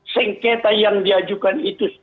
sengketa yang diajukan itu